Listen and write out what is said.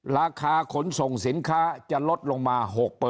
ราคาขนส่งสินค้าจะลดลงมา๖